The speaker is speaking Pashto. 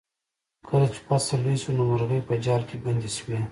کله چې فصل لوی شو نو مرغۍ په جال کې بندې شوې.